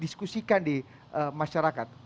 dikasihkan di masyarakat